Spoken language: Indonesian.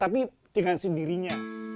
tapi dengan sendirinya